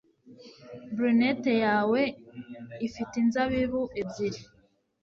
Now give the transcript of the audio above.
Brunette yawe ifite inzabibu ebyiri